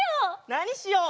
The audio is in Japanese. なにしよう？